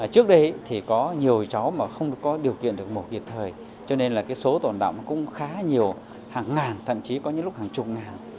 trước đây thì có nhiều cháu mà không có điều kiện được mổ kịp thời cho nên là cái số tổn động nó cũng khá nhiều hàng ngàn thậm chí có những lúc hàng chục ngàn